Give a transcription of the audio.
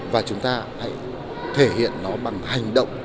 và chúng ta hãy thể hiện nó bằng hành động